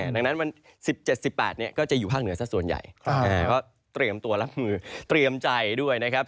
ดังนั้นวันสิบเจ็ดสิบแปดเนี่ยก็จะอยู่ภาคเหนือซะส่วนใหญ่ครับก็เตรียมตัวรับมือเตรียมใจด้วยนะครับ